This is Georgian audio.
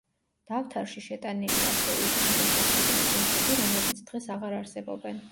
დავთარში შეტანილია ასევე ისეთი დასახლებული პუნქტები, რომლებიც დღეს აღარ არსებობენ.